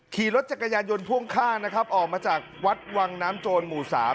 ขี่รถจักรยานยนต์พ่วงข้างนะครับออกมาจากวัดวังน้ำโจรหมู่๓